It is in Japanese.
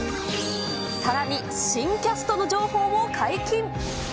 さらに、新キャストの情報も解禁。